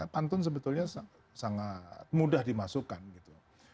pantun sebetulnya sangat mudah dimasukkan gitu